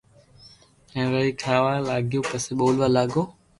ھين روي کاھ وا لاگيو پسي ٻولئا لاگآو